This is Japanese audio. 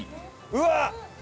うわっ！